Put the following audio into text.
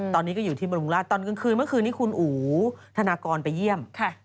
ตอนนี้ก็อยู่ที่บรมราชตอนกลางคืนเมื่อคืนนี้คุณอู๋ธนากรไปเยี่ยม